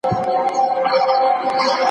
که ښوونکی اورېدنه وکړي، ستونزه نه پټه کېږي.